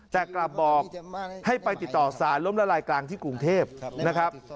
แต่กลับบอกให้ไปติดต่อสารล้มละลายกลางที่กรุงเทพนะครับ